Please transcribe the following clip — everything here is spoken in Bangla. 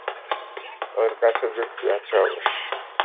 ওর কাছে যুক্তি আছে অবশ্য।